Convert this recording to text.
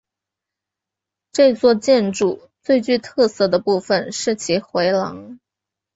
这座建筑最具特色的部分是其回廊。